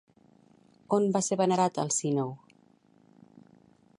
On va ser venerat Alcínou?